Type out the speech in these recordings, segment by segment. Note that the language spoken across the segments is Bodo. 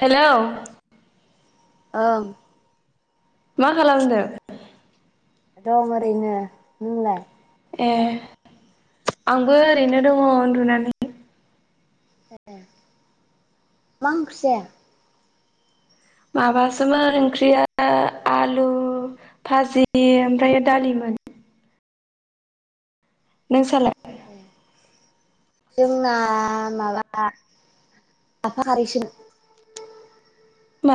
हेल' ओं मा खालामदों? दं ओरैनो नोंलाय। ए आंबो ओरैनो दङ उन्दुनानै ए मा ओंख्रि जाया माबासोमोन ओंख्रिया आलु भाजि ओमफ्राय दालिमोन। [inaudible] नों सालाय? जोंना माबा लाफा खारैसो। मा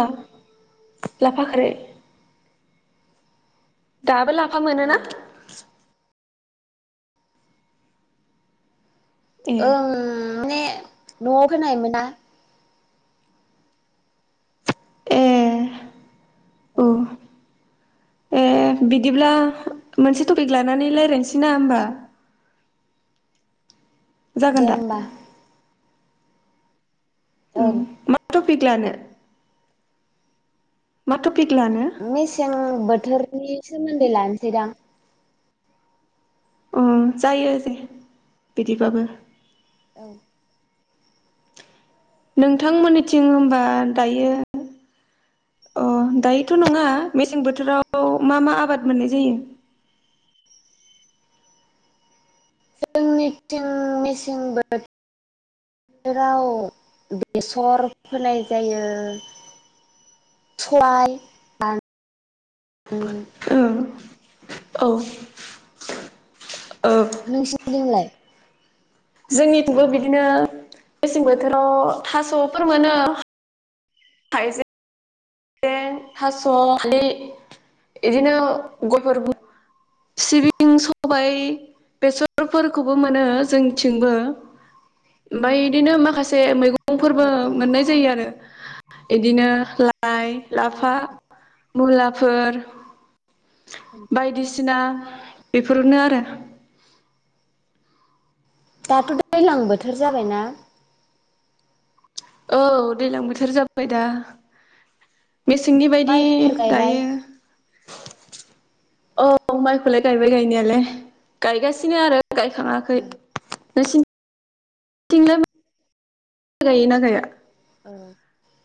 लाफा खारै? दाबो लाफा मोनोना? ए ओं माने न'आव फोनायमोना। एह। औ। एह बिदिब्ला मोनसे टपिक लानानै लायलायनोसैना होमबा? जागोन दे दा होमबा। उम ओं। मा टपिक लानो? मा ट मेसें बोथोरनि सोमोन्दै लानोसै दां। अह जायो जे बिदिबाबो। औ। नोंथांमोननिथिं होनबा दायो अह दायोथ' नङा मेसें बोथोराव मा मा आबाद मोननाय जायो? [inaudible] जोंनिथिं मेसें बो थोराव बेसर फोनाय जायो। सबाय आ औ औ। नोंसिनिदिंलाय? जोंनिथिंबो बिदिनो मेसें बोथोराव थास'फोर मोनो। हाइजें, थास', हालदि इदिनो [unintelligible] सिबिं, सबाय, बेसरफोर खौबो मोनो जोंनिथिंबो ओमफाय इदिनो माखासे मैगं फोरबो मोननाय जायो आरो। इदिनो लाइ, लाफा, मुलाफोर बायदिसिना बेफोरनो आरो। दाथ' दैलां बोथोर जाबायना? औ दैलां बोथोर जाबाय दा। मेसेंनि बायदि माइफोर गायबाय। दायो औ माइखौलाय गायबाय गायनायालाय गायगासिनो आरो। गायखाङाखै नोंसिनिथिंलाय माइ गायोना गाया? [unintelligible]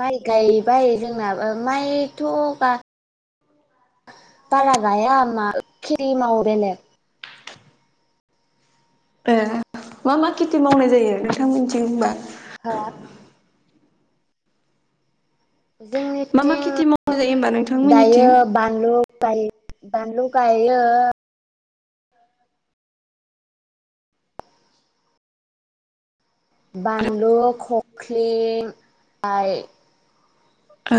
माइ गायबाय जोंनाबो माइथ' गा बारा गाया [unintelligible] एह मा मा खेथि मावनाय जायो नोंथां मोननिथिं होमबा? हा? मा मा खेथि मावनाय जोंनिथिं जायो होमबा नोंथांमोननिथिं दायो बानलु गायो बानलु गायो। बानलु खख्लिं आइ ओ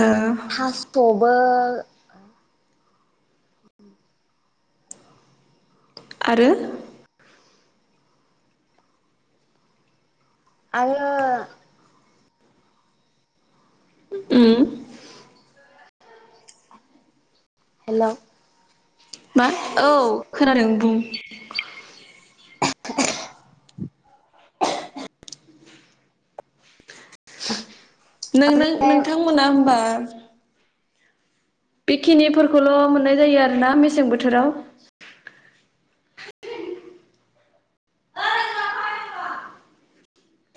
थास'बो आरो? आरो उम हेल'। मा? औ खोनादों बुं [inaudible] ओमफ्राय नों-नों-नोंथांमोना होमबा बेखिनिफोरखौल' मोननाय जायो आरो ना मेसें बोथोराव।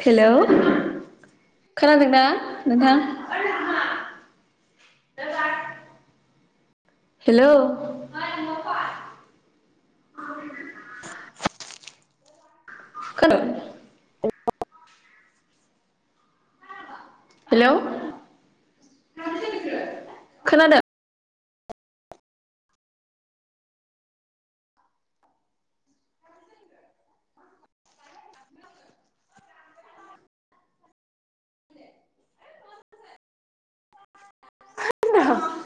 हेलौ खोनादों ना नोंथां? [inaudible] हेलो [inaudible] [unintelligible] हेल' [unintelligible] खोनादों? [unintelligible]